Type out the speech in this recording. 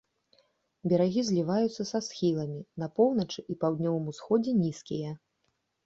Берагі зліваюцца са схіламі, на поўначы і паўднёвым усходзе нізкія.